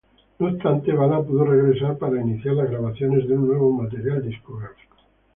No obstante, Bala pudo regresar para iniciar las grabaciones de un nuevo material discográfico.